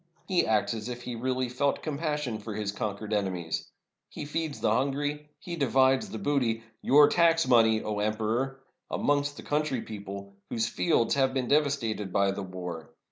He acts as if he really felt compassion for his conquered enemies ! He feeds the hungry, he divides the booty — your tax money, O Emperor! — amongst the country people, whose fields have been devastated by the war.